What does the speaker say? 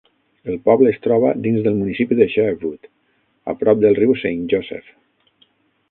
El poble es troba dins del municipi de Sherwood, a prop del riu Saint Joseph.